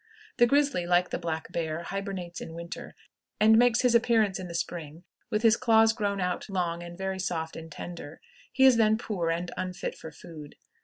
The grizzly, like the black bear, hybernates in winter, and makes his appearance in the spring with his claws grown out long and very soft and tender; he is then poor, and unfit for food.